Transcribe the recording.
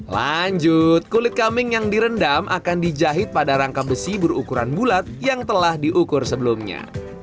lanjut kulit kambing yang direndam akan dijahit pada rangka besi berukuran bulat yang telah diukur sebelumnya